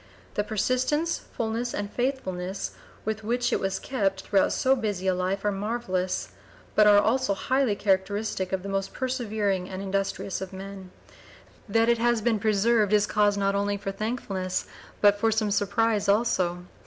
The persistence, fulness, and faithfulness with which it was kept throughout so busy a life are marvellous, but are also highly characteristic of the most persevering and industrious of men. (p. 009) That it has been preserved is cause not only for thankfulness but for some surprise also.